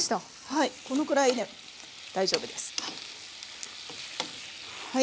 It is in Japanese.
はいこのくらいで大丈夫です。